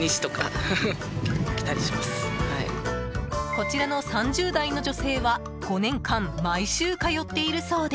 こちらの３０代の女性は５年間、毎週通っているそうで。